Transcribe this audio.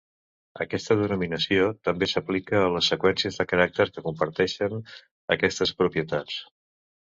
Aquesta denominació també s'aplica a les seqüències de caràcters que comparteixen aquestes propietats.